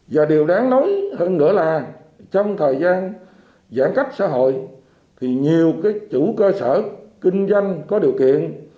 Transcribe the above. và điều đáng nói hơn nữa là trong thời gian giãn cách xã hội thì nhiều chủ cơ sở kinh doanh có điều kiện